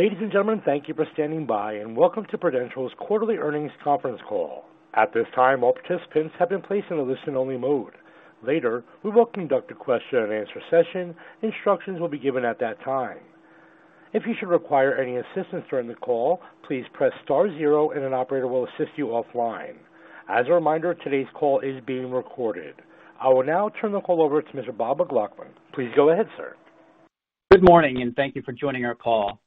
Ladies and gentlemen, thank you for standing by, and welcome to Prudential's Quarterly Earnings conference call. At this time, all participants have been placed in a listen-only mode. Later, we will conduct a question-and-answer session. Instructions will be given at that time. If you should require any assistance during the call, please press star zero and an operator will assist you offline. As a reminder, today's call is being recorded. I will now turn the call over to Mr. Bob McLaughlin. Please go ahead, sir. Good morning, and thank you for joining our call.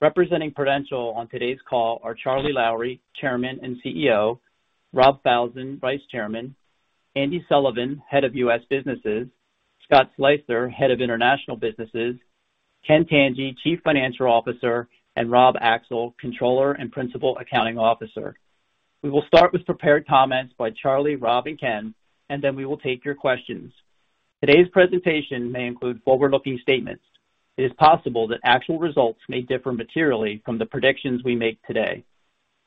Representing Prudential on today's call are Charlie Lowrey, Chairman and CEO; Rob Falzon, Vice Chairman; Andy Sullivan, Head of U.S. Businesses; Scott Sleyster, Head of International Businesses; Ken Tanji, Chief Financial Officer; and Rob Axel, Controller and Principal Accounting Officer. We will start with prepared comments by Charlie, Rob, and Ken, and then we will take your questions. Today's presentation may include forward-looking statements. It is possible that actual results may differ materially from the predictions we make today.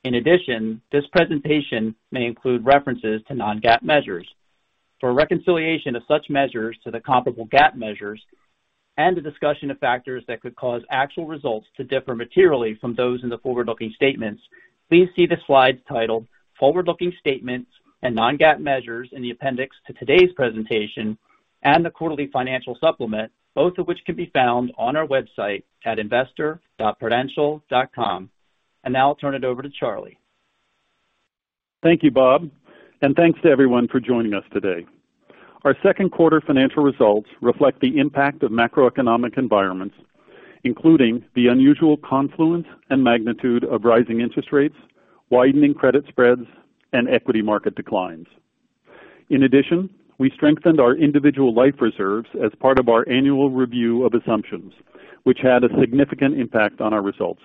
In addition, this presentation may include references to non-GAAP measures. For a reconciliation of such measures to the comparable GAAP measures and a discussion of factors that could cause actual results to differ materially from those in the forward-looking statements, please see the slides titled Forward-Looking Statements and Non-GAAP Measures in the appendix to today's presentation and the quarterly financial supplement, both of which can be found on our website at investor.prudential.com. Now I'll turn it over to Charlie. Thank you, Bob, and thanks to everyone for joining us today. Our second quarter financial results reflect the impact of macroeconomic environments, including the unusual confluence and magnitude of rising interest rates, widening credit spreads, and equity market declines. In addition, we strengthened our individual life reserves as part of our annual review of assumptions, which had a significant impact on our results.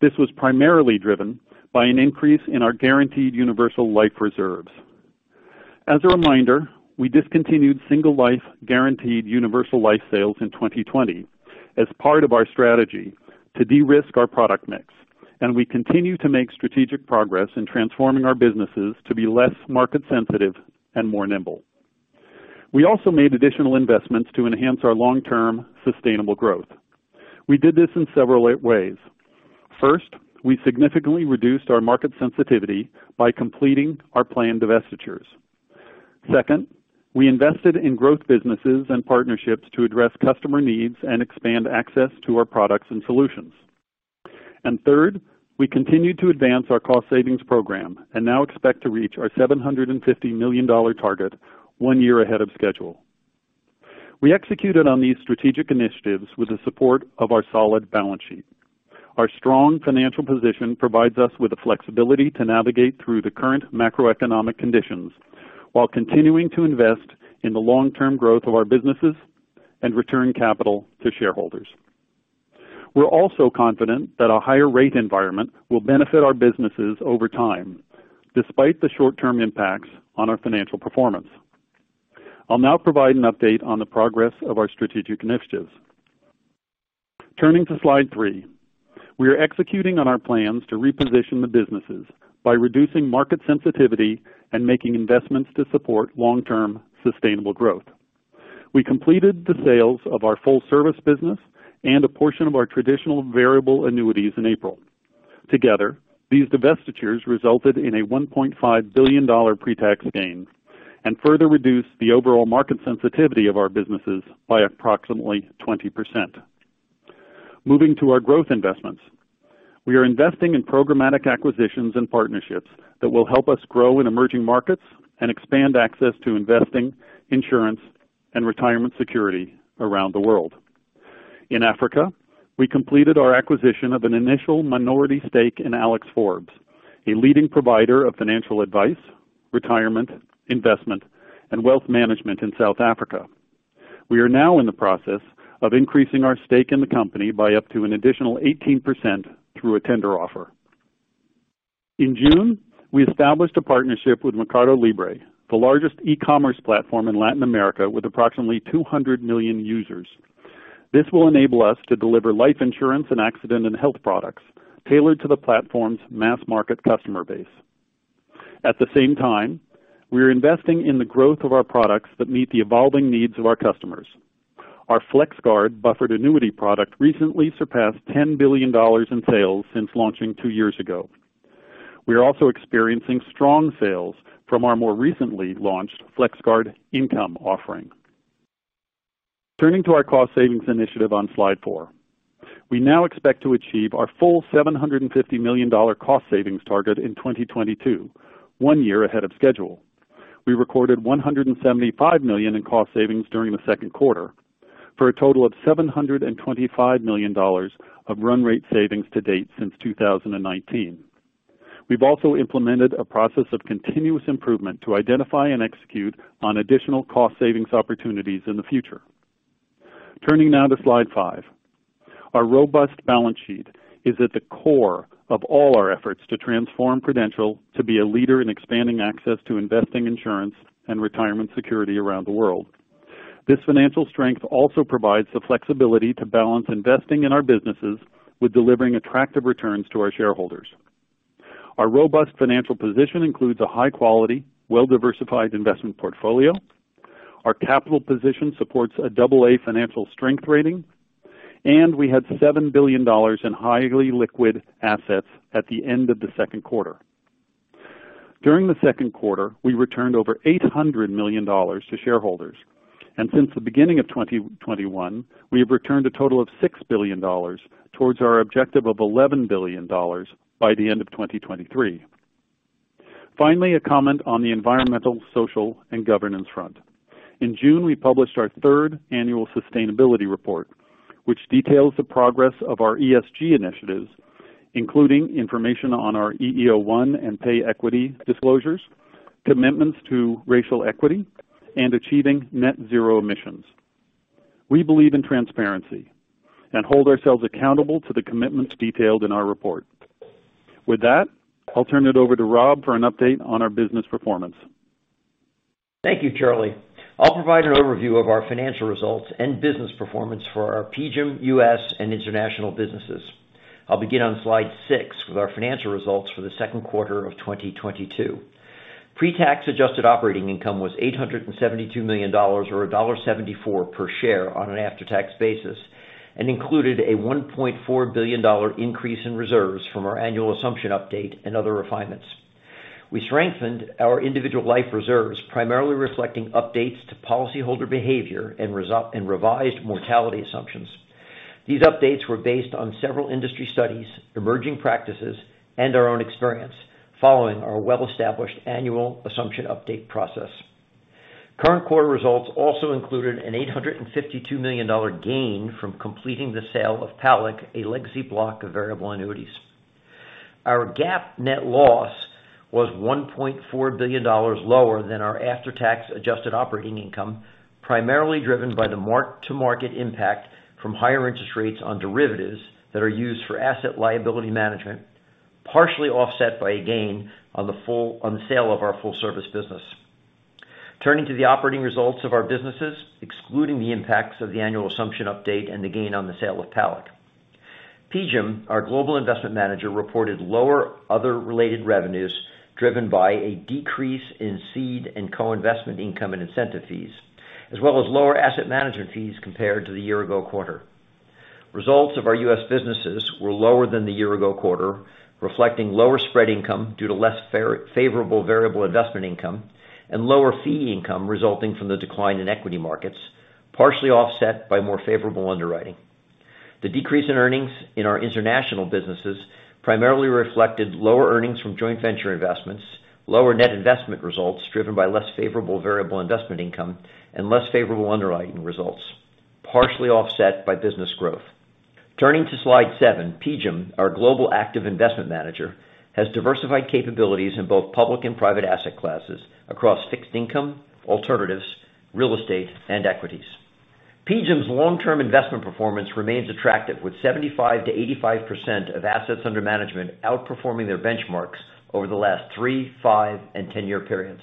This was primarily driven by an increase in our Guaranteed Universal Life reserves. As a reminder, we discontinued single life Guaranteed Universal Life sales in 2020 as part of our strategy to de-risk our product mix, and we continue to make strategic progress in transforming our businesses to be less market sensitive and more nimble. We also made additional investments to enhance our long-term sustainable growth. We did this in several ways. First, we significantly reduced our market sensitivity by completing our planned divestitures. Second, we invested in growth businesses and partnerships to address customer needs and expand access to our products and solutions. Third, we continued to advance our cost savings program and now expect to reach our $750 million target one year ahead of schedule. We executed on these strategic initiatives with the support of our solid balance sheet. Our strong financial position provides us with the flexibility to navigate through the current macroeconomic conditions while continuing to invest in the long-term growth of our businesses and return capital to shareholders. We're also confident that a higher rate environment will benefit our businesses over time, despite the short-term impacts on our financial performance. I'll now provide an update on the progress of our strategic initiatives. Turning to Slide three. We are executing on our plans to reposition the businesses by reducing market sensitivity and making investments to support long-term sustainable growth. We completed the sales of our full-service business and a portion of our traditional Variable Annuities in April. Together, these divestitures resulted in a $1.5 billion pre-tax gain and further reduced the overall market sensitivity of our businesses by approximately 20%. Moving to our growth investments. We are investing in programmatic acquisitions and partnerships that will help us grow in emerging markets and expand access to investing, insurance, and retirement security around the world. In Africa, we completed our acquisition of an initial minority stake in Alexander Forbes, a leading provider of financial advice, retirement investment, and wealth management in South Africa. We are now in the process of increasing our stake in the company by up to an additional 18% through a tender offer. In June, we established a partnership with Mercado Libre, the largest e-commerce platform in Latin America with approximately 200 million users. This will enable us to deliver life insurance and accident and health products tailored to the platform's mass-market customer base. At the same time, we are investing in the growth of our products that meet the evolving needs of our customers. Our FlexGuard buffered annuity product recently surpassed $10 billion in sales since launching two years ago. We are also experiencing strong sales from our more recently launched FlexGuard Income offering. Turning to our cost savings initiative on slide four. We now expect to achieve our full $750 million cost savings target in 2022, one year ahead of schedule. We recorded $175 million in cost savings during the second quarter. For a total of $725 million of run rate savings to date since 2019. We've also implemented a process of continuous improvement to identify and execute on additional cost savings opportunities in the future. Turning now to Slide five. Our robust balance sheet is at the core of all our efforts to transform Prudential to be a leader in expanding access to investing, insurance, and retirement security around the world. This financial strength also provides the flexibility to balance investing in our businesses with delivering attractive returns to our shareholders. Our robust financial position includes a high quality, well-diversified investment portfolio. Our capital position supports a double A financial strength rating, and we had $7 billion in highly liquid assets at the end of the second quarter. During the second quarter, we returned over $800 million to shareholders, and since the beginning of 2021, we have returned a total of $6 billion towards our objective of $11 billion by the end of 2023. Finally, a comment on the environmental, social, and governance front. In June, we published our third annual sustainability report, which details the progress of our ESG initiatives, including information on our EEO1 and pay equity disclosures, commitments to racial equity, and achieving net zero emissions. We believe in transparency and hold ourselves accountable to the commitments detailed in our report. With that, I'll turn it over to Rob for an update on our business performance. Thank you, Charlie. I'll provide an overview of our financial results and business performance for our PGIM U.S. and International businesses. I'll begin on Slide six with our financial results for the second quarter of 2022. Pre-tax adjusted operating income was $872 million or $1.74 per share on an after-tax basis, and included a $1.4 billion increase in reserves from our annual assumption update and other refinements. We strengthened our individual life reserves, primarily reflecting updates to policyholder behavior and revised mortality assumptions. These updates were based on several industry studies, emerging practices, and our own experience following our well-established annual assumption update process. Current quarter results also included an $852 million gain from completing the sale of PALIC, a legacy block of variable annuities. Our GAAP net loss was $1.4 billion lower than our after-tax adjusted operating income, primarily driven by the mark-to-market impact from higher interest rates on derivatives that are used for asset liability management, partially offset by a gain on the sale of our full service business. Turning to the operating results of our businesses, excluding the impacts of the annual assumption update and the gain on the sale of PALIC. PGIM, our global investment manager, reported lower other related revenues driven by a decrease in seed and co-investment income and incentive fees, as well as lower asset management fees compared to the year ago quarter. Results of our U.S. businesses were lower than the year-ago quarter, reflecting lower spread income due to less favorable variable investment income and lower fee income resulting from the decline in equity markets, partially offset by more favorable underwriting. The decrease in earnings in our international businesses primarily reflected lower earnings from joint venture investments, lower net investment results driven by less favorable variable investment income and less favorable underwriting results, partially offset by business growth. Turning to Slide seven, PGIM, our global active investment manager, has diversified capabilities in both public and private asset classes across fixed income, alternatives, real estate, and equities. PGIM's long-term investment performance remains attractive with 75%-85% of assets under management outperforming their benchmarks over the last 3-, 5-, and 10-year periods.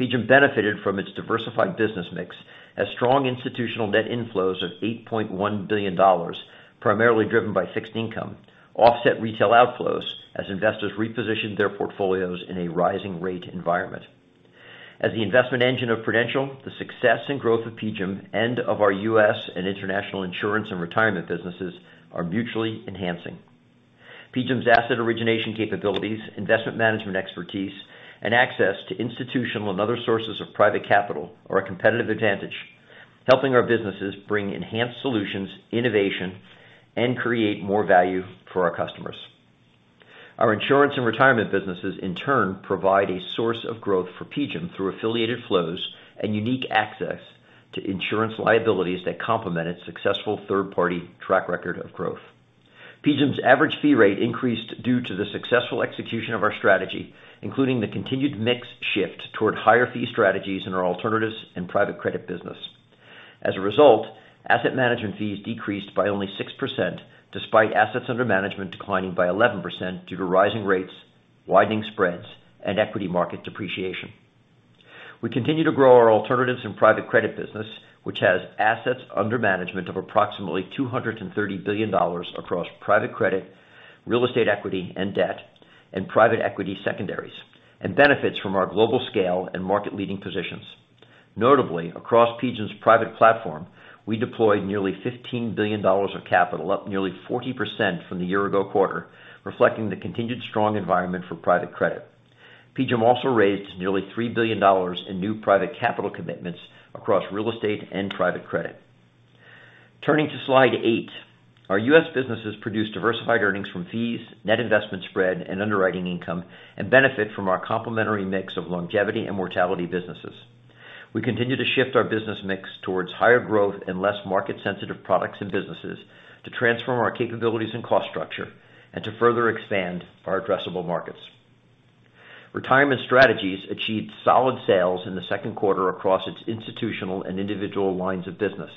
PGIM benefited from its diversified business mix as strong institutional net inflows of $8.1 billion, primarily driven by fixed income, offset retail outflows as investors repositioned their portfolios in a rising rate environment. As the investment engine of Prudential, the success and growth of PGIM and of our U.S. and international insurance and retirement businesses are mutually enhancing. PGIM's asset origination capabilities, investment management expertise, and access to institutional and other sources of private capital are a competitive advantage, helping our businesses bring enhanced solutions, innovation, and create more value for our customers. Our insurance and retirement businesses, in turn, provide a source of growth for PGIM through affiliated flows and unique access to insurance liabilities that complement its successful third-party track record of growth. PGIM's average fee rate increased due to the successful execution of our strategy, including the continued mix shift toward higher fee strategies in our alternatives and private credit business. As a result, asset management fees decreased by only 6% despite assets under management declining by 11% due to rising rates, widening spreads, and equity market depreciation. We continue to grow our alternatives in private credit business, which has assets under management of approximately $230 billion across private credit, real estate equity and debt, and private equity secondaries, and benefits from our global scale and market-leading positions. Notably, across PGIM's private platform, we deployed nearly $15 billion of capital, up nearly 40% from the year ago quarter, reflecting the continued strong environment for private credit. PGIM also raised nearly $3 billion in new private capital commitments across real estate and private credit. Turning to Slide eight. Our U.S. businesses produce diversified earnings from fees, net investment spread and underwriting income, and benefit from our complementary mix of longevity and mortality businesses. We continue to shift our business mix towards higher growth and less market-sensitive products and businesses to transform our capabilities and cost structure and to further expand our addressable markets. Retirement strategies achieved solid sales in the second quarter across its institutional and individual lines of business.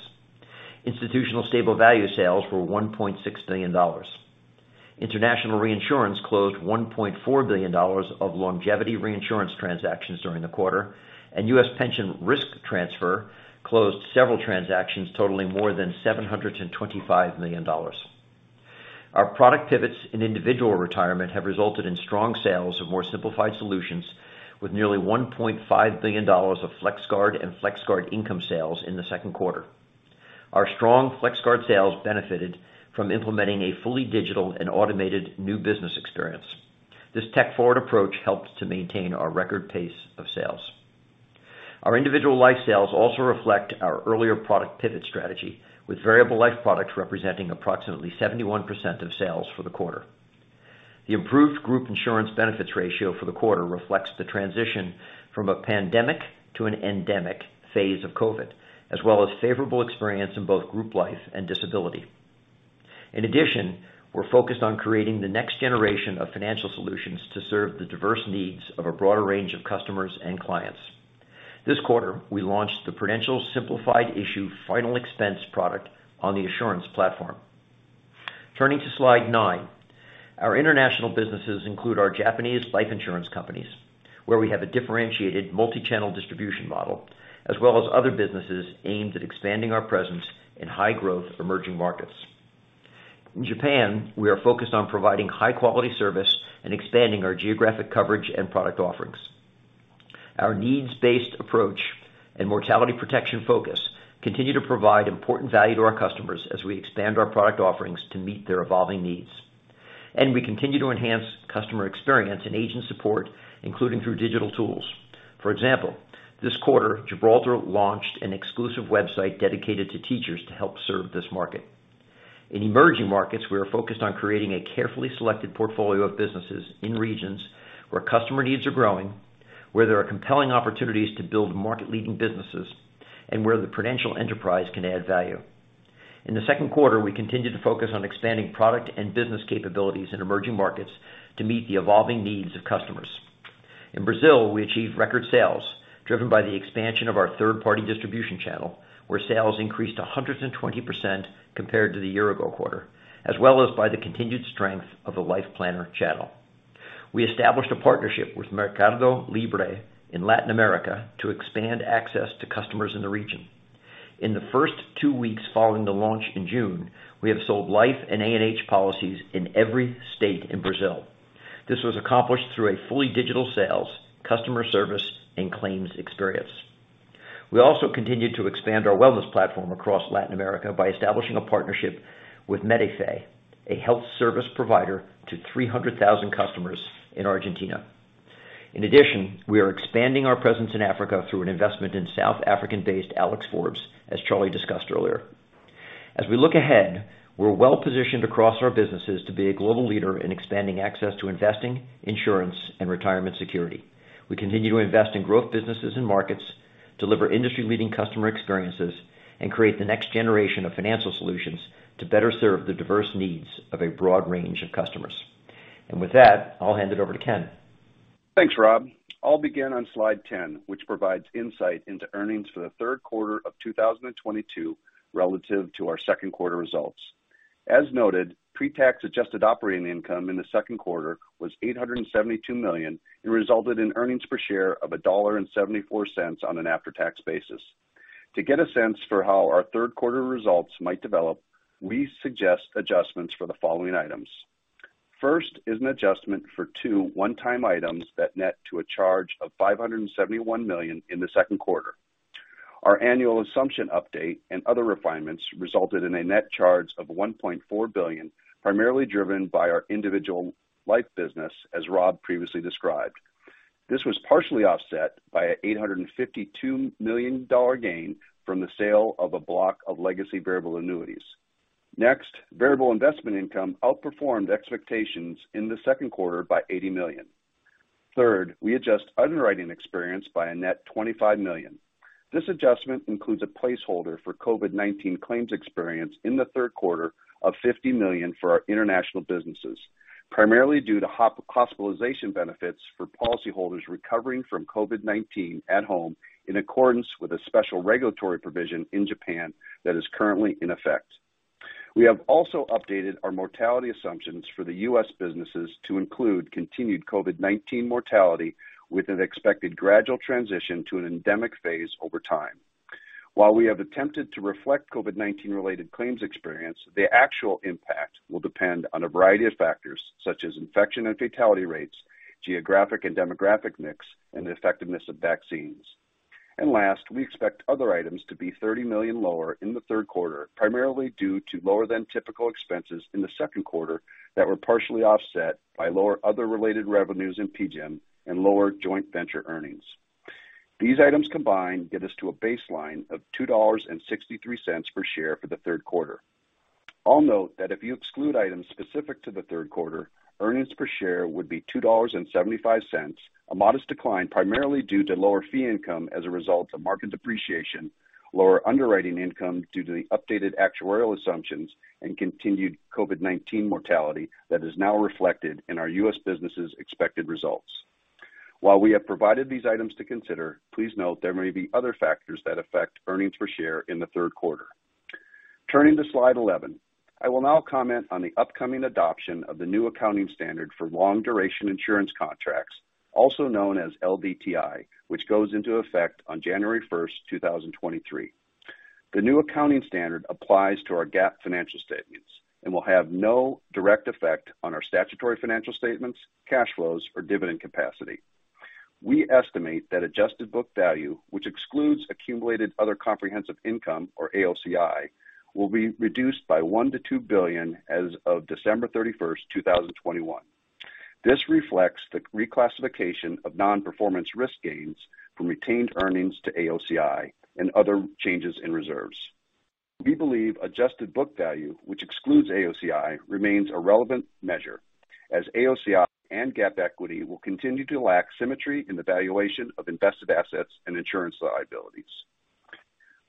Institutional Stable Value sales were $1.6 billion. International reinsurance closed $1.4 billion of longevity reinsurance transactions during the quarter, and U.S. pension risk transfer closed several transactions totaling more than $725 million. Our product pivots in individual retirement have resulted in strong sales of more simplified solutions with nearly $1.5 billion of FlexGuard and FlexGuard Income sales in the second quarter. Our strong FlexGuard sales benefited from implementing a fully digital and automated new business experience. This tech-forward approach helps to maintain our record pace of sales. Our individual life sales also reflect our earlier product pivot strategy, with Variable Life products representing approximately 71% of sales for the quarter. The improved group insurance benefits ratio for the quarter reflects the transition from a pandemic to an endemic phase of Covid, as well as favorable experience in both group life and disability. In addition, we're focused on creating the next generation of financial solutions to serve the diverse needs of a broader range of customers and clients. This quarter, we launched the Prudential Simplified Issue Final Expense product on the Assurance platform. Turning to Slide nine. Our international businesses include our Japanese life insurance companies, where we have a differentiated multi-channel distribution model, as well as other businesses aimed at expanding our presence in high-growth emerging markets. In Japan, we are focused on providing high-quality service and expanding our geographic coverage and product offerings. Our needs-based approach and mortality protection focus continue to provide important value to our customers as we expand our product offerings to meet their evolving needs. We continue to enhance customer experience and agent support, including through digital tools. For example, this quarter, Gibraltar launched an exclusive website dedicated to teachers to help serve this market. In emerging markets, we are focused on creating a carefully selected portfolio of businesses in regions where customer needs are growing, where there are compelling opportunities to build market-leading businesses, and where the Prudential enterprise can add value. In the second quarter, we continued to focus on expanding product and business capabilities in emerging markets to meet the evolving needs of customers. In Brazil, we achieved record sales driven by the expansion of our third-party distribution channel, where sales increased 120% compared to the year-ago quarter, as well as by the continued strength of the Life Planner channel. We established a partnership with Mercado Libre in Latin America to expand access to customers in the region. In the first two weeks following the launch in June, we have sold life and A&H policies in every state in Brazil. This was accomplished through a fully digital sales, customer service, and claims experience. We also continued to expand our wellness platform across Latin America by establishing a partnership with Medifé, a health service provider to 300,000 customers in Argentina. In addition, we are expanding our presence in Africa through an investment in South African-based Alexander Forbes, as Charlie discussed earlier. As we look ahead, we're well-positioned across our businesses to be a global leader in expanding access to investing, insurance, and retirement security. We continue to invest in growth businesses and markets, deliver industry-leading customer experiences, and create the next generation of financial solutions to better serve the diverse needs of a broad range of customers. With that, I'll hand it over to Ken. Thanks, Rob. I'll begin on Slide 10, which provides insight into earnings for the third quarter of 2022 relative to our second quarter results. As noted, pre-tax adjusted operating income in the second quarter was $872 million and resulted in earnings per share of $1.74 on an after-tax basis. To get a sense for how our third quarter results might develop, we suggest adjustments for the following items. First is an adjustment for two one-time items that net to a charge of $571 million in the second quarter. Our annual assumption update and other refinements resulted in a net charge of $1.4 billion, primarily driven by our individual life business, as Rob previously described. This was partially offset by $852 million gain from the sale of a block of legacy Variable Annuities. Next, variable investment income outperformed expectations in the second quarter by $80 million. Third, we adjust underwriting experience by a net $25 million. This adjustment includes a placeholder for COVID-19 claims experience in the third quarter of $50 million for our international businesses, primarily due to home-hospitalization benefits for policyholders recovering from COVID-19 at home in accordance with a special regulatory provision in Japan that is currently in effect. We have also updated our mortality assumptions for the U.S. businesses to include continued COVID-19 mortality with an expected gradual transition to an endemic phase over time. While we have attempted to reflect COVID-19 related claims experience, the actual impact will depend on a variety of factors such as infection and fatality rates, geographic and demographic mix, and the effectiveness of vaccines. Last, we expect other items to be $30 million lower in the third quarter, primarily due to lower than typical expenses in the second quarter that were partially offset by lower other related revenues in PGIM and lower joint venture earnings. These items combined get us to a baseline of $2.63 per share for the third quarter. I'll note that if you exclude items specific to the third quarter, earnings per share would be $2.75, a modest decline primarily due to lower fee income as a result of market depreciation, lower underwriting income due to the updated actuarial assumptions, and continued COVID-19 mortality that is now reflected in our U.S. businesses' expected results. While we have provided these items to consider, please note there may be other factors that affect earnings per share in the third quarter. Turning to Slide 11. I will now comment on the upcoming adoption of the new accounting standard for long duration insurance contracts, also known as LDTI, which goes into effect on January first, 2023. The new accounting standard applies to our GAAP financial statements and will have no direct effect on our statutory financial statements, cash flows or dividend capacity. We estimate that adjusted book value, which excludes accumulated other comprehensive income or AOCI, will be reduced by $1-$2 billion as of December 31, 2021. This reflects the reclassification of non-performance risk gains from retained earnings to AOCI and other changes in reserves. We believe adjusted book value, which excludes AOCI, remains a relevant measure as AOCI and GAAP equity will continue to lack symmetry in the valuation of invested assets and insurance liabilities.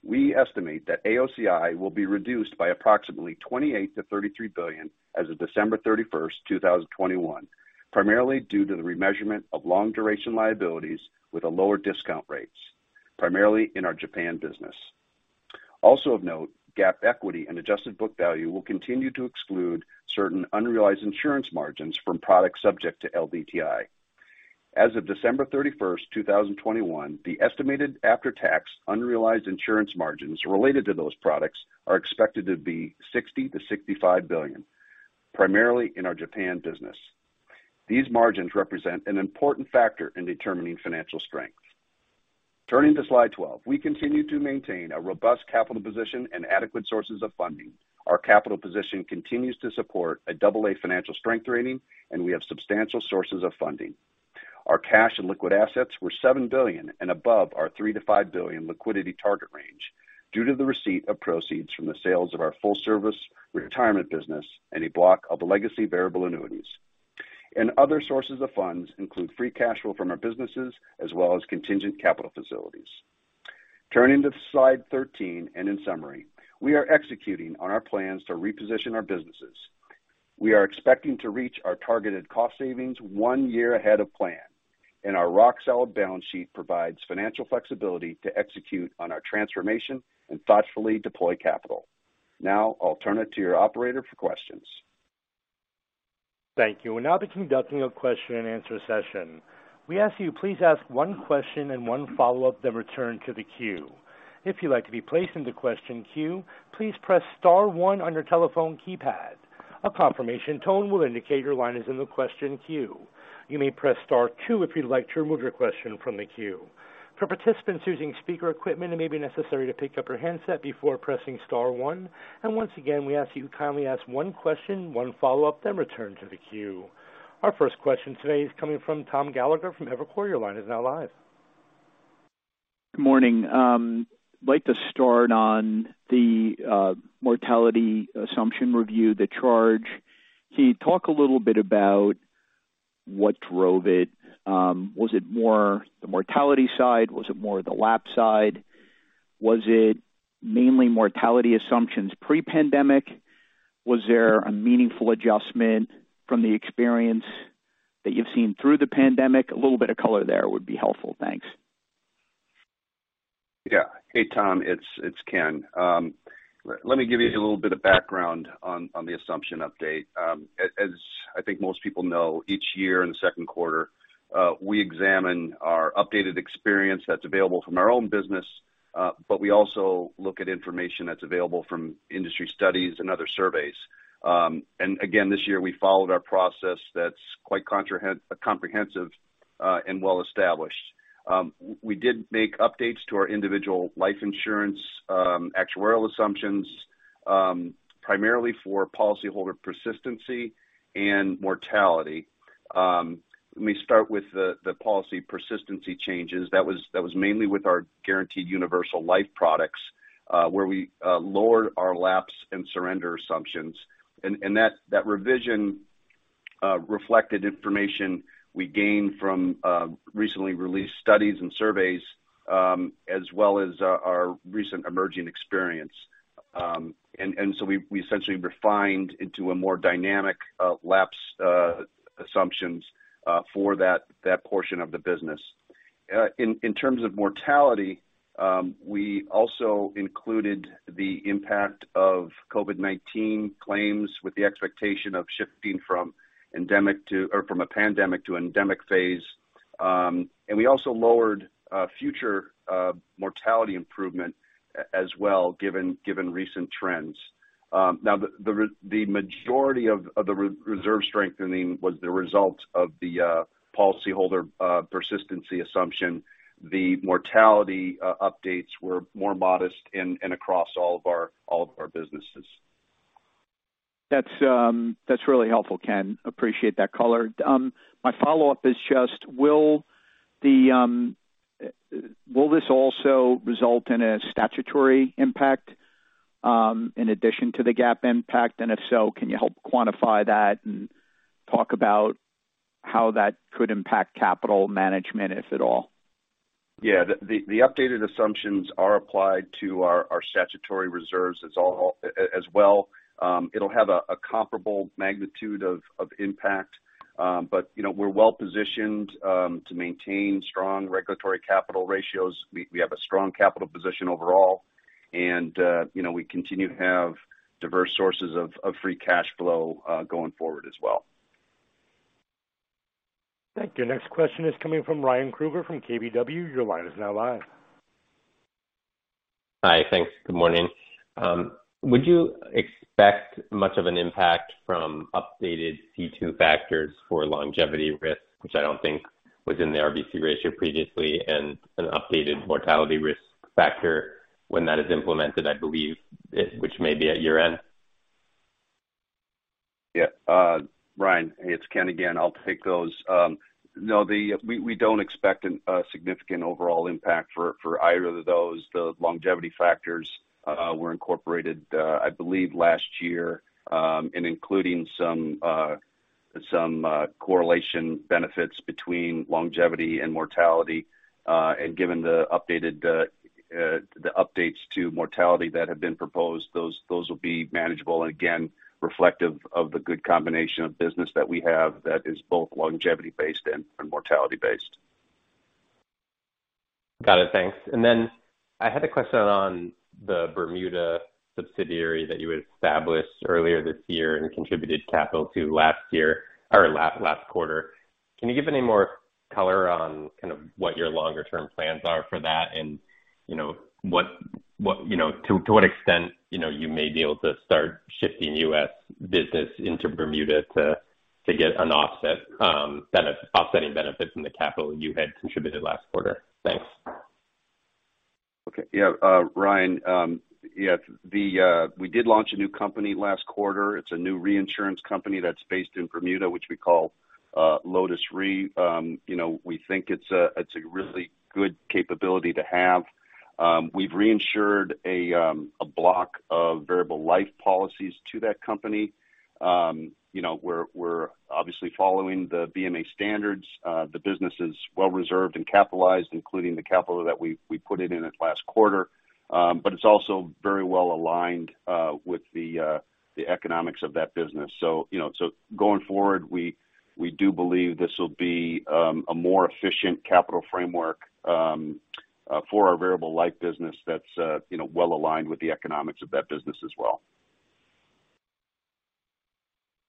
We estimate that AOCI will be reduced by approximately $28-$33 billion as of December 31, 2021, primarily due to the remeasurement of long duration liabilities with a lower discount rates, primarily in our Japan business. Also of note, GAAP equity and adjusted book value will continue to exclude certain unrealized insurance margins from products subject to LDTI. As of December 31st, 2021, the estimated after-tax unrealized insurance margins related to those products are expected to be $60-$65 billion, primarily in our Japan business. These margins represent an important factor in determining financial strength. Turning to Slide 12. We continue to maintain a robust capital position and adequate sources of funding. Our capital position continues to support a double-A financial strength rating, and we have substantial sources of funding. Our cash and liquid assets were $7 billion and above our $3-$5 billion liquidity target range due to the receipt of proceeds from the sales of our full service retirement business and a block of legacy Variable Annuities. Other sources of funds include free cash flow from our businesses as well as contingent capital facilities. Turning to Slide 13 and in summary, we are executing on our plans to reposition our businesses. We are expecting to reach our targeted cost savings one year ahead of plan, and our rock-solid balance sheet provides financial flexibility to execute on our transformation and thoughtfully deploy capital. Now I'll turn it to your operator for questions. Thank you. We'll now be conducting a question-and-answer session. We ask you please ask one question and one follow-up, then return to the queue. If you'd like to be placed into question queue, please press star one on your telephone keypad. A confirmation tone will indicate your line is in the question queue. You may press star two if you'd like to remove your question from the queue. For participants using speaker equipment, it may be necessary to pick up your handset before pressing star one. Once again, we ask you to kindly ask one question, one follow-up, then return to the queue. Our first question today is coming from Tom Gallagher from Evercore. Your line is now live. Good morning. I'd like to start on the mortality assumption review, the charge. Can you talk a little bit about what drove it? Was it more the mortality side? Was it more the lapse side? Was it mainly mortality assumptions pre-pandemic? Was there a meaningful adjustment from the experience that you've seen through the pandemic? A little bit of color there would be helpful. Thanks. Yeah. Hey, Tom, it's Ken. Let me give you a little bit of background on the assumption update. As I think most people know, each year in the second quarter, we examine our updated experience that's available from our own business, but we also look at information that's available from industry studies and other surveys. Again, this year we followed our process that's quite comprehensive, and well established. We did make updates to our individual life insurance, actuarial assumptions, primarily for policyholder persistency and mortality. Let me start with the policy persistency changes. That was mainly with our Guaranteed Universal Life products, where we lowered our lapse and surrender assumptions. That revision reflected information we gained from recently released studies and surveys, as well as our recent emerging experience. We essentially refined into a more dynamic lapse assumptions for that portion of the business. In terms of mortality, we also included the impact of COVID-19 claims with the expectation of shifting from a pandemic to endemic phase. We also lowered future mortality improvement as well, given recent trends. Now the majority of the reserve strengthening was the result of the policyholder persistency assumption. The mortality updates were more modest in and across all of our businesses. That's really helpful, Ken. Appreciate that color. My follow-up is just, will this also result in a statutory impact in addition to the GAAP impact? If so, can you help quantify that and talk about how that could impact capital management, if at all? Yeah. The updated assumptions are applied to our statutory reserves as well. It'll have a comparable magnitude of impact. You know, we're well-positioned to maintain strong regulatory capital ratios. We have a strong capital position overall, and, you know, we continue to have diverse sources of free cash flow going forward as well. Thank you. Next question is coming from Ryan Krueger from KBW. Your line is now live. Hi. Thanks. Good morning. Would you expect much of an impact from updated C2 factors for longevity risk, which I don't think was in the RBC ratio previously, and an updated mortality risk factor when that is implemented, I believe, which may be at year-end? Yeah. Ryan, it's Ken again. I'll take those. No, we don't expect a significant overall impact for either of those. The longevity factors were incorporated, I believe last year, and including some correlation benefits between longevity and mortality, and given the updates to mortality that have been proposed, those will be manageable, and again, reflective of the good combination of business that we have that is both longevity-based and mortality-based. Got it. Thanks. I had a question on the Bermuda subsidiary that you established earlier this year and contributed capital to last year or last quarter. Can you give any more color on kind of what your longer-term plans are for that and, you know, what you know to what extent you know you may be able to start shifting U.S. business into Bermuda to get an offset benefit, offsetting benefits from the capital you had contributed last quarter. Thanks. Okay. Ryan, we did launch a new company last quarter. It's a new reinsurance company that's based in Bermuda, which we call Lotus Re. You know, we think it's a really good capability to have. We've reinsured a block of Variable Life policies to that company. You know, we're obviously following the BMA standards. The business is well reserved and capitalized, including the capital that we put in it last quarter. But it's also very well aligned with the economics of that business. You know, going forward, we do believe this will be a more efficient capital framework for our Variable Life business that's well-aligned with the economics of that business as well.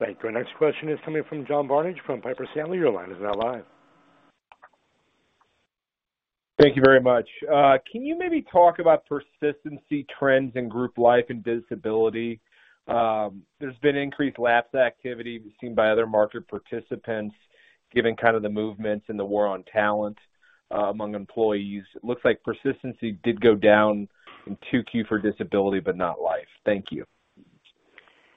Thank you. Our next question is coming from John Barnidge from Piper Sandler. Your line is now live. Thank you very much. Can you maybe talk about persistency trends in group life and disability? There's been increased lapse activity seen by other market participants given kind of the movements in the war on talent, among employees. It looks like persistency did go down in 2Q for disability, but not life. Thank you.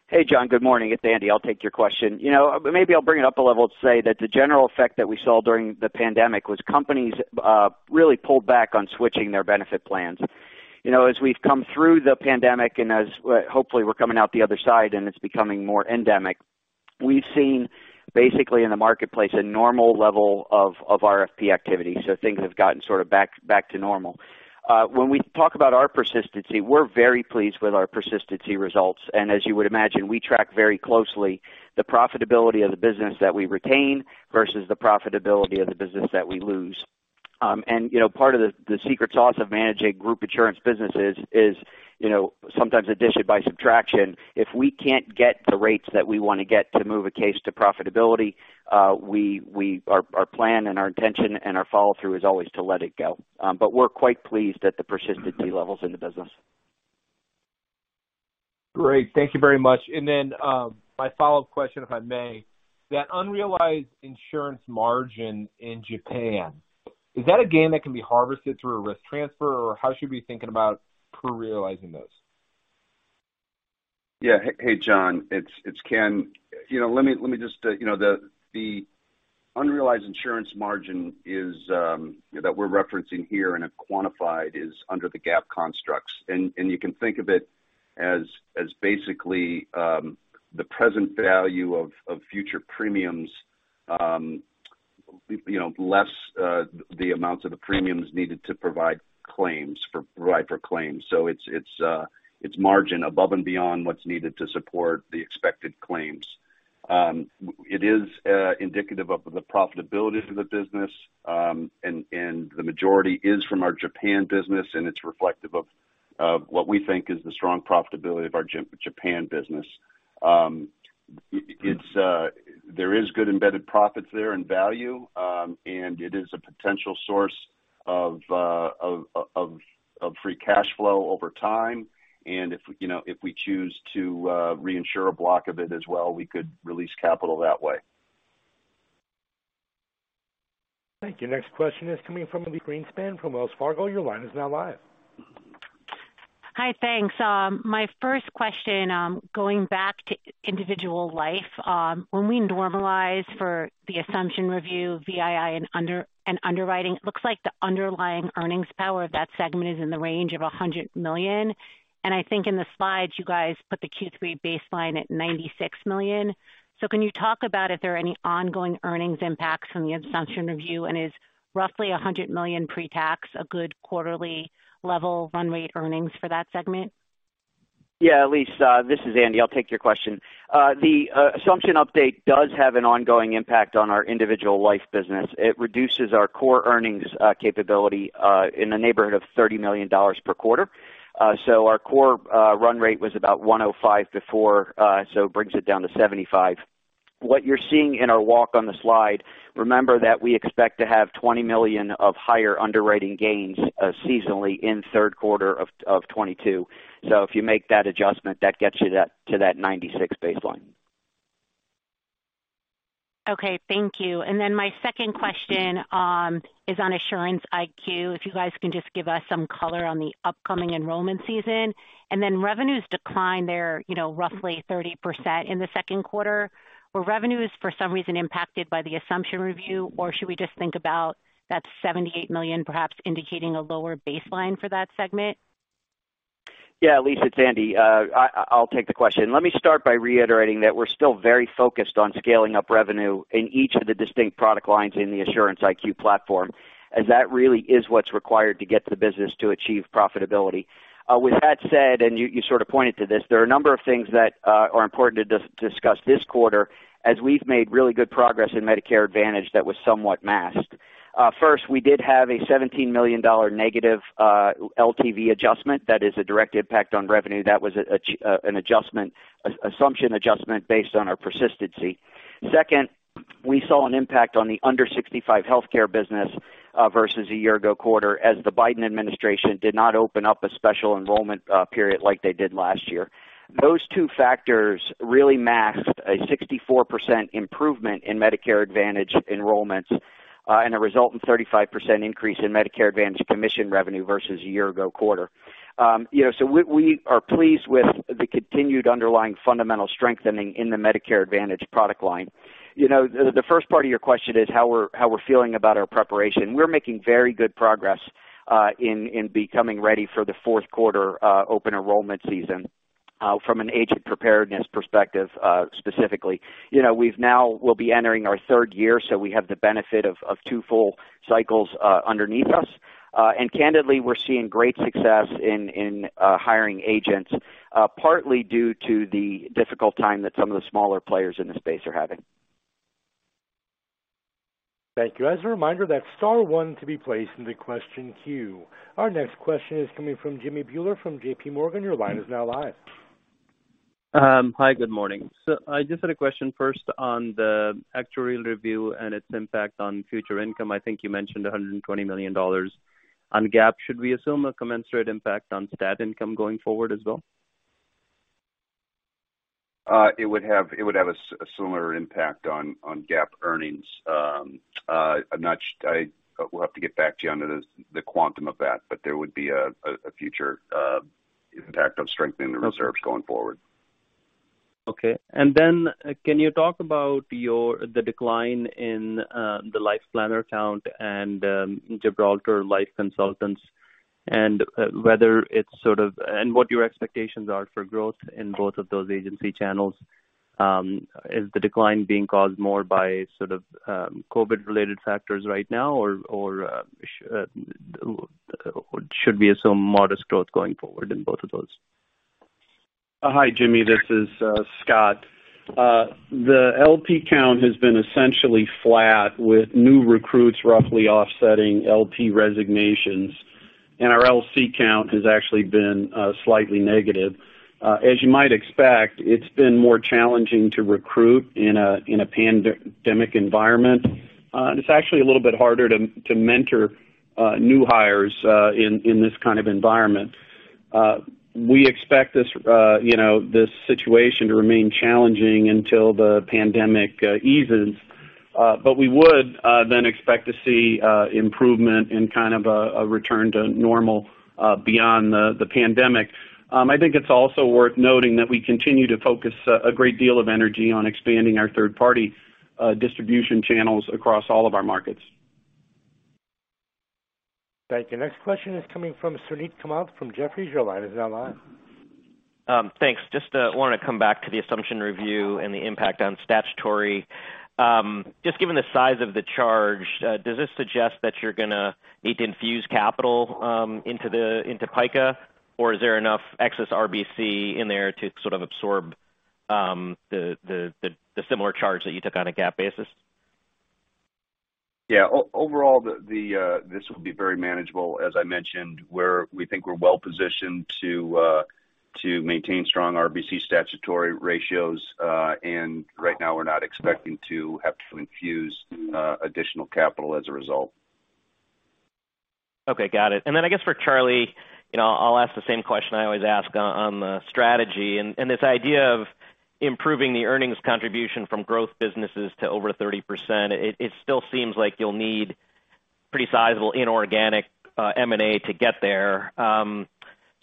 Hey, John. Good morning. It's Andy. I'll take your question. You know, maybe I'll bring it up a level to say that the general effect that we saw during the pandemic was companies really pulled back on switching their benefit plans. You know, as we've come through the pandemic, and as hopefully we're coming out the other side, and it's becoming more endemic, we've seen basically in the marketplace a normal level of RFP activity. Things have gotten sort of back to normal. When we talk about our persistency, we're very pleased with our persistency results. As you would imagine, we track very closely the profitability of the business that we retain versus the profitability of the business that we lose. You know, part of the secret sauce of managing group insurance businesses is, you know, sometimes addition by subtraction. If we can't get the rates that we want to get to move a case to profitability, our plan and our intention and our follow-through is always to let it go. We're quite pleased at the persistency levels in the business. Great. Thank you very much. My follow-up question, if I may, that unrealized insurance margin in Japan, is that a gain that can be harvested through a risk transfer, or how should we be thinking about pre-realizing those? Yeah. Hey, John, it's Ken. You know, let me just, you know, the unrealized insurance margin is that we're referencing here and have quantified is under the GAAP constructs. You can think of it as basically the present value of future premiums, you know, less the amounts of the premiums needed to provide for claims. It's margin above and beyond what's needed to support the expected claims. It is indicative of the profitability of the business, and the majority is from our Japan business, and it's reflective of what we think is the strong profitability of our Japan business. It's there is good embedded profits there and value, and it is a potential source of free cash flow over time. If, you know, if we choose to reinsure a block of it as well, we could release capital that way. Thank you. Next question is coming from Elyse Greenspan from Wells Fargo. Your line is now live. Hi. Thanks. My first question, going back to individual life. When we normalize for the assumption review, VII and under, and underwriting, it looks like the underlying earnings power of that segment is in the range of $100 million. I think in the slides, you guys put the Q3 baseline at $96 million. Can you talk about if there are any ongoing earnings impacts from the assumption review, and is roughly $100 million pre-tax a good quarterly level run rate earnings for that segment? Yeah. Elyse, this is Andy. I'll take your question. The assumption update does have an ongoing impact on our individual life business. It reduces our core earnings capability in the neighborhood of $30 million per quarter. Our core run rate was about 105 before, so it brings it down to 75. What you're seeing in our walk on the slide, remember that we expect to have $20 million of higher underwriting gains seasonally in third quarter of 2022. If you make that adjustment, that gets you to that 96 baseline. Okay. Thank you. My second question is on Assurance IQ. If you guys can just give us some color on the upcoming enrollment season, and then revenues declined there, you know, roughly 30% in the second quarter. Were revenues for some reason impacted by the assumption review, or should we just think about that $78 million perhaps indicating a lower baseline for that segment? Yeah, Elyse, it's Andy. I'll take the question. Let me start by reiterating that we're still very focused on scaling up revenue in each of the distinct product lines in the Assurance IQ platform, as that really is what's required to get the business to achieve profitability. With that said, and you sort of pointed to this, there are a number of things that are important to discuss this quarter as we've made really good progress in Medicare Advantage that was somewhat masked. First, we did have a $17 million negative LTV adjustment that is a direct impact on revenue. That was an assumption adjustment based on our persistency. Second, we saw an impact on the under 65 healthcare business versus a year-ago quarter as the Biden administration did not open up a special enrollment period like they did last year. Those two factors really masked a 64% improvement in Medicare Advantage enrollments and resulting in a 35% increase in Medicare Advantage commission revenue versus a year-ago quarter. You know, we are pleased with the continued underlying fundamental strengthening in the Medicare Advantage product line. You know, the first part of your question is how we're feeling about our preparation. We're making very good progress in becoming ready for the fourth quarter open enrollment season from an agent preparedness perspective, specifically. You know, we'll be entering our third year, so we have the benefit of two full cycles underneath us. Candidly, we're seeing great success in hiring agents, partly due to the difficult time that some of the smaller players in the space are having. Thank you. As a reminder, that's star one to be placed in the question queue. Our next question is coming from Jimmy Bhullar from JP Morgan. Your line is now live. Hi, good morning. I just had a question first on the actuarial review and its impact on future income. I think you mentioned $120 million on GAAP. Should we assume a commensurate impact on stat income going forward as well? It would have a similar impact on GAAP earnings. I'm not sure we'll have to get back to you on the quantum of that, but there would be a future impact on strengthening the reserves going forward. Okay. Then can you talk about the decline in the Life Planner count and Life Plan Consultants and what your expectations are for growth in both of those agency channels? Is the decline being caused more by sort of COVID-related factors right now or should we assume modest growth going forward in both of those? Hi, Jimmy. This is Scott. The LP count has been essentially flat with new recruits roughly offsetting LP resignations, and our LC count has actually been slightly negative. As you might expect, it's been more challenging to recruit in a pandemic environment. It's actually a little bit harder to mentor new hires in this kind of environment. We expect this situation to remain challenging until the pandemic eases. We would then expect to see improvement in a return to normal beyond the pandemic. I think it's also worth noting that we continue to focus a great deal of energy on expanding our third-party distribution channels across all of our markets. Thank you. Next question is coming from Suneet Kamath from Jefferies. Your line is now live. Thanks. Just wanna come back to the assumption review and the impact on statutory. Just given the size of the charge, does this suggest that you're gonna need to infuse capital into PICA? Or is there enough excess RBC in there to sort of absorb the similar charge that you took on a GAAP basis? Yeah. Overall, the this will be very manageable. As I mentioned, we think we're well positioned to maintain strong RBC statutory ratios. Right now we're not expecting to have to infuse additional capital as a result. Okay, got it. I guess for Charlie, you know, I'll ask the same question I always ask on the strategy and this idea of improving the earnings contribution from growth businesses to over 30%, it still seems like you'll need pretty sizable inorganic M&A to get there.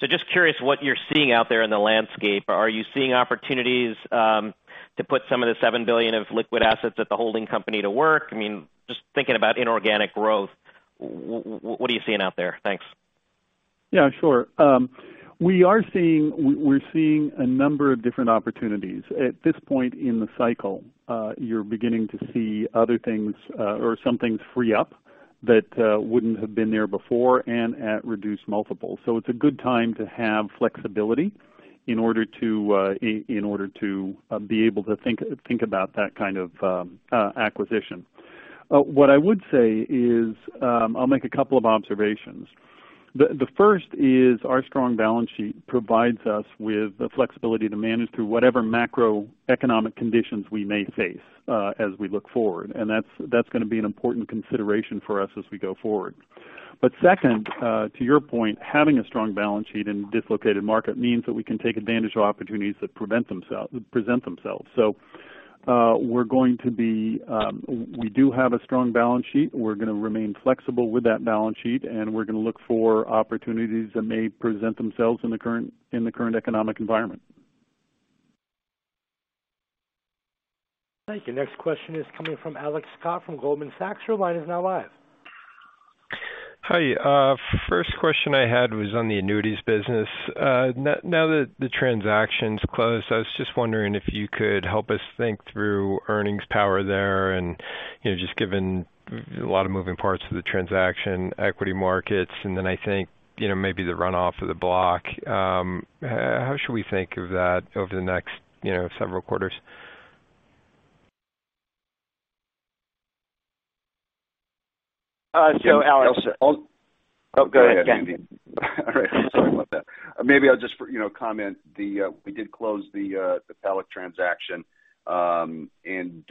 Just curious what you're seeing out there in the landscape. Are you seeing opportunities to put some of the $7 billion of liquid assets at the holding company to work? I mean, just thinking about inorganic growth, what are you seeing out there? Thanks. Yeah, sure. We're seeing a number of different opportunities. At this point in the cycle, you're beginning to see other things, or some things free up that wouldn't have been there before and at reduced multiples. It's a good time to have flexibility in order to be able to think about that kind of acquisition. What I would say is, I'll make a couple of observations. The first is our strong balance sheet provides us with the flexibility to manage through whatever macroeconomic conditions we may face, as we look forward. That's gonna be an important consideration for us as we go forward. Second, to your point, having a strong balance sheet in a dislocated market means that we can take advantage of opportunities that present themselves. We do have a strong balance sheet. We're gonna remain flexible with that balance sheet, and we're gonna look for opportunities that may present themselves in the current economic environment. Thank you. Next question is coming from Alex Scott from Goldman Sachs. Your line is now live. Hi. First question I had was on the annuities business. Now that the transaction's closed, I was just wondering if you could help us think through earnings power there and, you know, just given a lot of moving parts of the transaction, equity markets, and then I think, you know, maybe the runoff of the block. How should we think of that over the next, you know, several quarters? Alex. I'll... Go ahead, Ken. All right. Sorry about that. We did close the PALIC transaction. It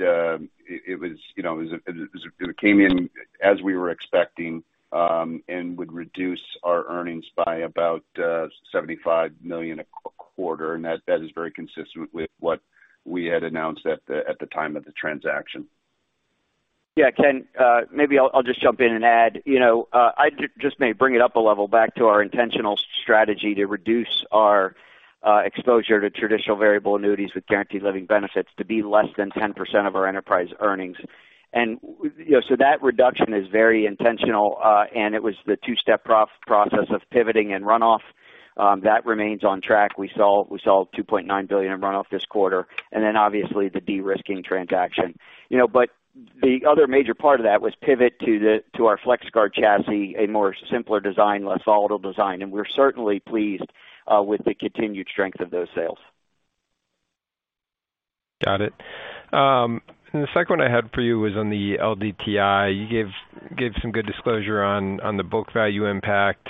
came in as we were expecting, and would reduce our earnings by about $75 million a quarter, and that is very consistent with what we had announced at the time of the transaction. Yeah. Ken, maybe I'll just jump in and add, you know, I just may bring it up a level back to our intentional strategy to reduce our exposure to traditional variable annuities with guaranteed living benefits to be less than 10% of our enterprise earnings. You know, that reduction is very intentional. It was the two-step process of pivoting and runoff that remains on track. We saw $2.9 billion in runoff this quarter, and then obviously the de-risking transaction. You know, the other major part of that was pivot to our FlexGuard chassis, a more simpler design, less volatile design, and we're certainly pleased with the continued strength of those sales. Got it. The second one I had for you was on the LDTI. You gave some good disclosure on the book value impact.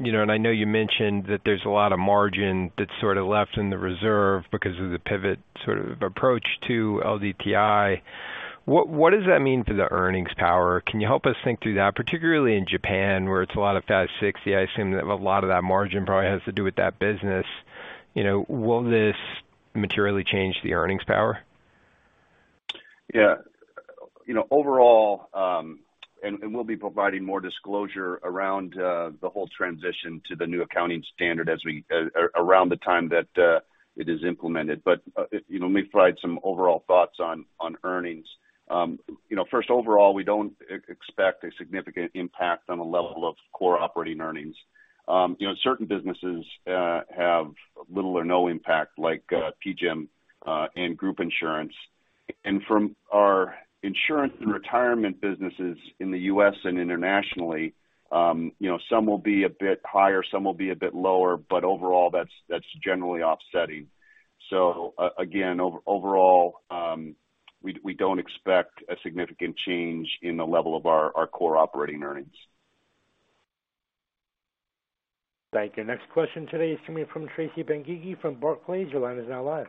You know, I know you mentioned that there's a lot of margin that's sort of left in the reserve because of the pivot sort of approach to LDTI. What does that mean for the earnings power? Can you help us think through that, particularly in Japan, where it's a lot of 560. I assume that a lot of that margin probably has to do with that business. You know, will this materially change the earnings power? Yeah. You know, overall, and we'll be providing more disclosure around the whole transition to the new accounting standard around the time that it is implemented. You know, let me provide some overall thoughts on earnings. You know, first, overall, we don't expect a significant impact on the level of core operating earnings. You know, certain businesses have little or no impact like PGIM and group insurance. From our insurance and retirement businesses in the U.S. and internationally, you know, some will be a bit higher, some will be a bit lower, but overall, that's generally offsetting. Again, overall, we don't expect a significant change in the level of our core operating earnings. Thank you. Next question today is coming from Tracy Benguigui from Barclays. Your line is now live.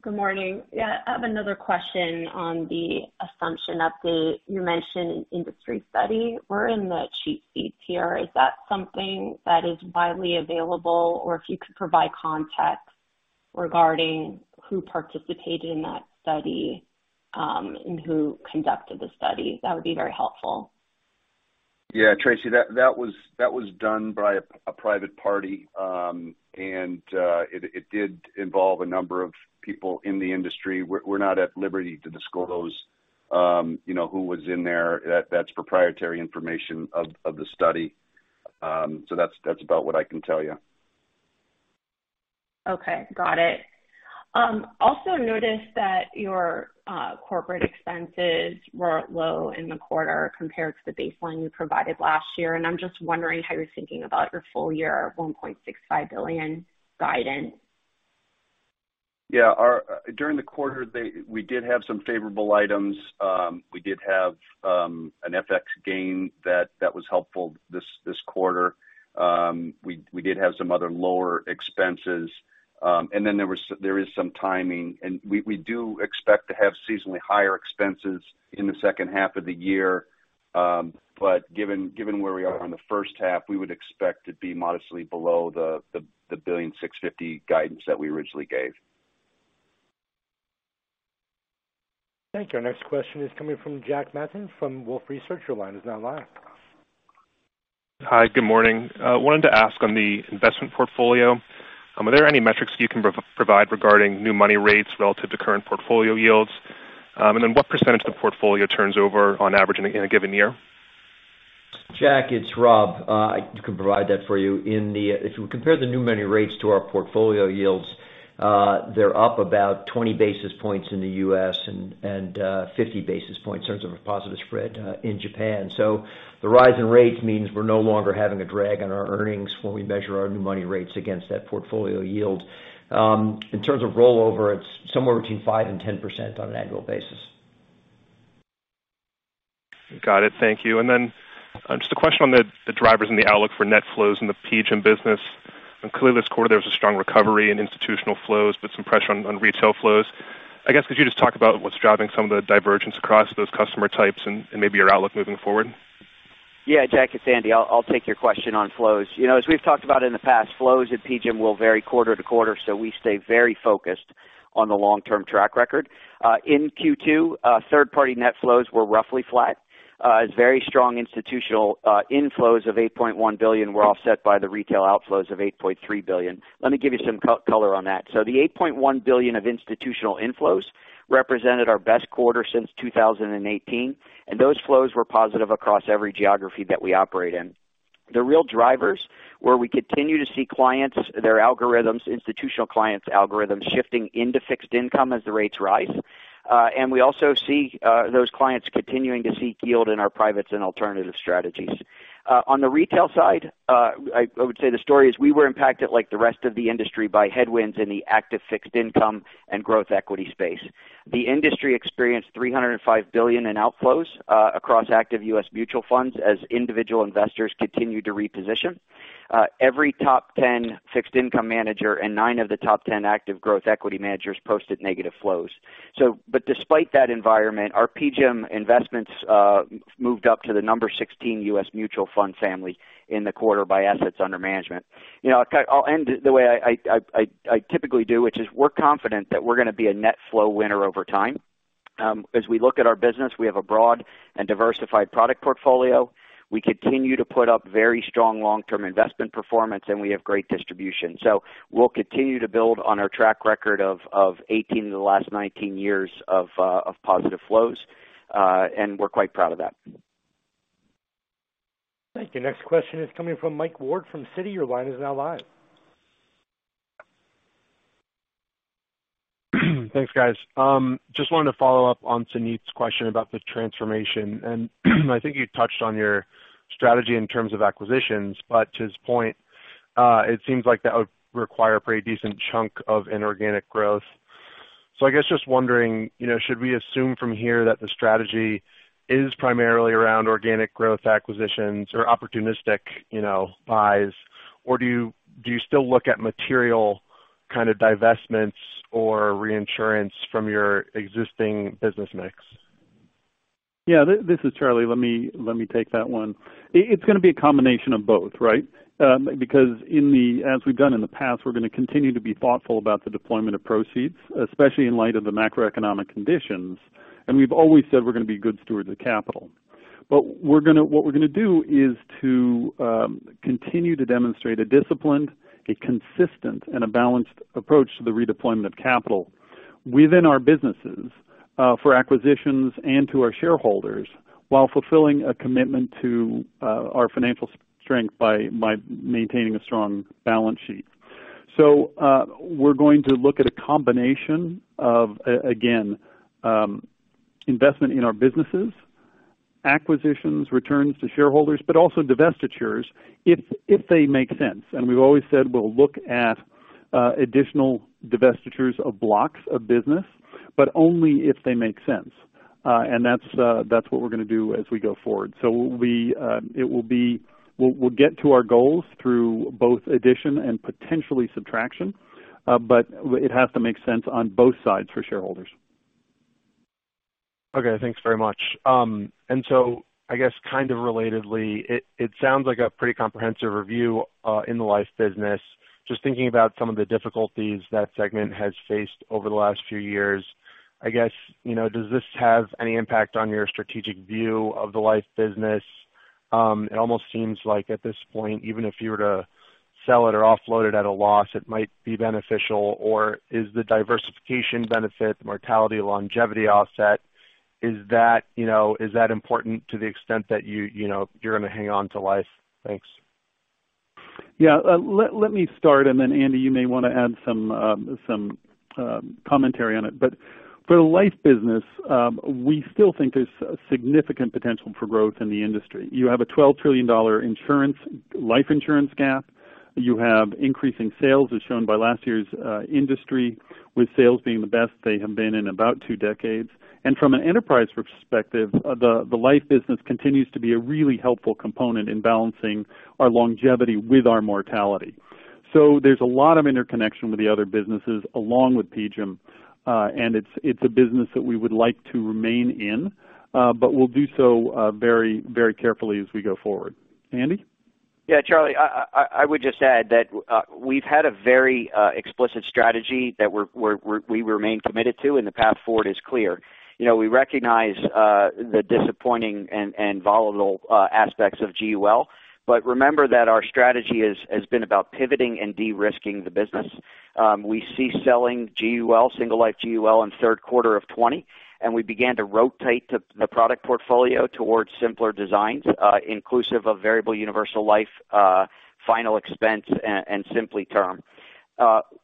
Good morning. Yeah, I have another question on the assumption update. You mentioned industry study. We're in the cheap seats here. Is that something that is widely available? Or if you could provide context regarding who participated in that study, and who conducted the study, that would be very helpful. Yeah. Tracy, that was done by a private party. It did involve a number of people in the industry. We're not at liberty to disclose, you know, who was in there. That's proprietary information of the study. That's about what I can tell you. Okay. Got it. Also noticed that your corporate expenses were low in the quarter compared to the baseline you provided last year. I'm just wondering how you're thinking about your full year $1.65 billion guidance. During the quarter, we did have some favorable items. We did have an FX gain that was helpful this quarter. We did have some other lower expenses. There is some timing, and we do expect to have seasonally higher expenses in the second half of the year. Given where we are on the first half, we would expect to be modestly below the $1.65 billion guidance that we originally gave. Thank you. Our next question is coming from Jack Matten from Wolfe Research. Your line is now live. Hi. Good morning. Wanted to ask on the investment portfolio, are there any metrics you can provide regarding new money rates relative to current portfolio yields? What percentage of the portfolio turns over on average in a given year? Jack, it's Rob. I can provide that for you. If you compare the new money rates to our portfolio yields, they're up about 20 basis points in the U.S. and 50 basis points in terms of a positive spread in Japan. The rise in rates means we're no longer having a drag on our earnings when we measure our new money rates against that portfolio yield. In terms of rollover, it's somewhere between 5% and 10% on an annual basis. Got it. Thank you. Just a question on the drivers and the outlook for net flows in the PGIM business. Clearly this quarter there was a strong recovery in institutional flows, but some pressure on retail flows. I guess could you just talk about what's driving some of the divergence across those customer types and maybe your outlook moving forward? Yeah, Jack, it's Andy. I'll take your question on flows. You know, as we've talked about in the past, flows at PGIM will vary quarter to quarter, so we stay very focused on the long-term track record. In Q2, third party net flows were roughly flat. Very strong institutional inflows of $8.1 billion were offset by the retail outflows of $8.3 billion. Let me give you some color on that. The $8.1 billion of institutional inflows represented our best quarter since 2018, and those flows were positive across every geography that we operate in. The real drivers were we continue to see clients, their algorithms, institutional clients algorithms shifting into fixed income as the rates rise. We also see those clients continuing to seek yield in our privates and alternative strategies. On the retail side, I would say the story is we were impacted like the rest of the industry by headwinds in the active fixed income and growth equity space. The industry experienced $305 billion in outflows across active U.S. mutual funds as individual investors continued to reposition. Every top 10 fixed income manager and 9 of the top 10 active growth equity managers posted negative flows. Despite that environment, our PGIM Investments moved up to the number 16 U.S. mutual fund family in the quarter by assets under management. You know, I'll end the way I typically do, which is we're confident that we're gonna be a net flow winner over time. As we look at our business, we have a broad and diversified product portfolio. We continue to put up very strong long-term investment performance, and we have great distribution. We'll continue to build on our track record of 18 of the last 19 years of positive flows, and we're quite proud of that. Thank you. Next question is coming from Mike Ward from Citi. Your line is now live. Thanks, guys. Just wanted to follow up on Suneet's question about the transformation. I think you touched on your strategy in terms of acquisitions. To his point, it seems like that would require a pretty decent chunk of inorganic growth. I guess just wondering, you know, should we assume from here that the strategy is primarily around organic growth acquisitions or opportunistic, you know, buys? Or do you still look at material kind of divestments or reinsurance from your existing business mix? This is Charlie. Let me take that one. It's gonna be a combination of both, right? Because as we've done in the past, we're gonna continue to be thoughtful about the deployment of proceeds, especially in light of the macroeconomic conditions. We've always said we're gonna be good stewards of capital. We're gonna what we're gonna do is to continue to demonstrate a disciplined, consistent, and balanced approach to the redeployment of capital within our businesses, for acquisitions and to our shareholders, while fulfilling a commitment to our financial strength by maintaining a strong balance sheet. We're going to look at a combination of again, investment in our businesses, acquisitions, returns to shareholders, but also divestitures if they make sense. We've always said we'll look at additional divestitures of blocks of business, but only if they make sense. That's what we're gonna do as we go forward. We'll get to our goals through both addition and potentially subtraction, but it has to make sense on both sides for shareholders. Okay, thanks very much. I guess kind of relatedly, it sounds like a pretty comprehensive review in the life business. Just thinking about some of the difficulties that segment has faced over the last few years. I guess, you know, does this have any impact on your strategic view of the life business? It almost seems like at this point, even if you were to sell it or offload it at a loss, it might be beneficial. Is the diversification benefit, the mortality longevity offset, is that, you know, is that important to the extent that you know, you're gonna hang on to life? Thanks. Let me start, and then Andy, you may wanna add some commentary on it. For the life business, we still think there's significant potential for growth in the industry. You have a $12 trillion life insurance gap. You have increasing sales as shown by last year's industry, with sales being the best they have been in about two decades. From an enterprise perspective, the life business continues to be a really helpful component in balancing our longevity with our mortality. There's a lot of interconnection with the other businesses along with PGIM, and it's a business that we would like to remain in, but we'll do so very, very carefully as we go forward. Andy? Yeah, Charlie, I would just add that we've had a very explicit strategy that we're committed to, and the path forward is clear. You know, we recognize the disappointing and volatile aspects of GUL. Remember that our strategy has been about pivoting and de-risking the business. We ceased selling GUL, single life GUL in third quarter of 2020, and we began to rotate the product portfolio towards simpler designs, inclusive of Variable Universal Life, final expense and SimplyTerm.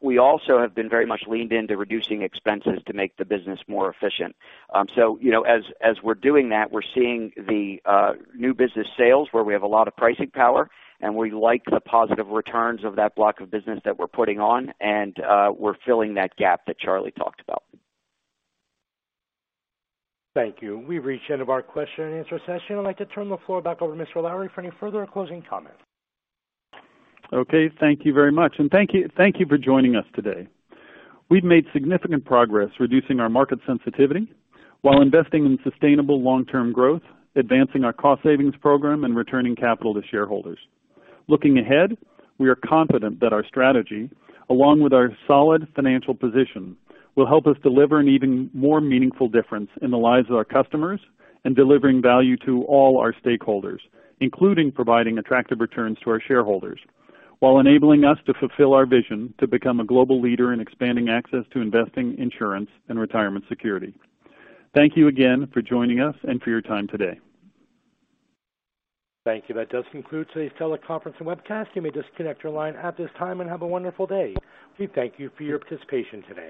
We also have been very much leaned into reducing expenses to make the business more efficient. You know, as we're doing that, we're seeing the new business sales where we have a lot of pricing power, and we like the positive returns of that block of business that we're putting on, and we're filling that gap that Charlie talked about. Thank you. We've reached the end of our question and answer session. I'd like to turn the floor back over to Mr. Lowrey for any further closing comments. Okay, thank you very much. Thank you, thank you for joining us today. We've made significant progress reducing our market sensitivity while investing in sustainable long-term growth, advancing our cost savings program, and returning capital to shareholders. Looking ahead, we are confident that our strategy, along with our solid financial position, will help us deliver an even more meaningful difference in the lives of our customers and delivering value to all our stakeholders, including providing attractive returns to our shareholders, while enabling us to fulfill our vision to become a global leader in expanding access to investing, insurance, and retirement security. Thank you again for joining us and for your time today Thank you. That does conclude today's teleconference and webcast. You may disconnect your line at this time, and have a wonderful day. We thank you for your participation today.